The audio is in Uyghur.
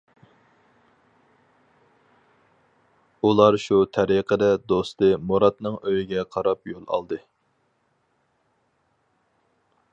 ئۇلار شۇ تەرىقىدە دوستى مۇراتنىڭ ئۆيىگە قاراپ يول ئالدى.